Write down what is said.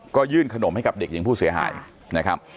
ก็ยื่นขนมให้กับเด็กหญิงผู้เสียหายนะครับ